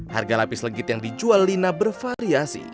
harga lapis legit yang dijual lina bervariasi